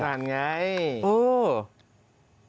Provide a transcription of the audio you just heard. นั่นไงโอ้โฮ